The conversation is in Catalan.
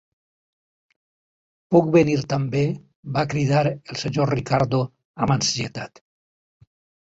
"Puc venir també?", va cridar el senyor Ricardo amb ansietat.